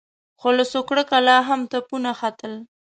خو له سوکړکه لا هم تپونه ختل.